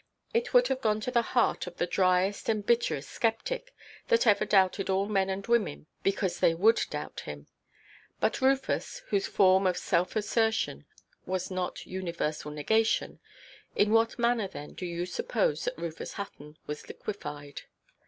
It would have gone to the heart of the driest and bitterest sceptic that ever doubted all men and women because they would doubt him. But Rufus, whose form of self–assertion was not universal negation, in what manner then do you suppose that Rufus Hutton was liquefied?